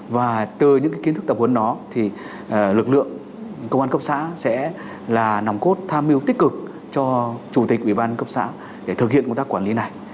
và từ những kiến thức tập huấn đó thì lực lượng công an cấp xã sẽ là nòng cốt tham mưu tích cực cho chủ tịch ủy ban cấp xã để thực hiện công tác quản lý này